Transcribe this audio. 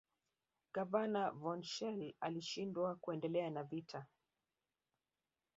Gavana Von schelle alishindwa kuendelea na vita